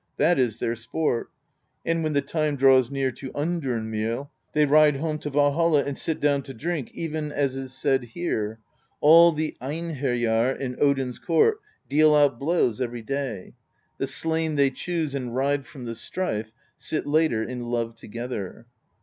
That is their sport ; and when the time draws near to undern meal, they ride home to Val hall and sit down to drink, even as is said here: All the Einherjar in Odin's court Deal out blows every day; The slain they choose and ride from the strife, — Sit later in love together.